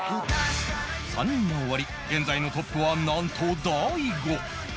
３人が終わり現在のトップはなんと大悟